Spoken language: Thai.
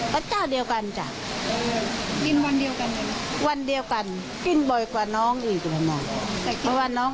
เพราะว่าอาจจะเป็นที่ของน้อง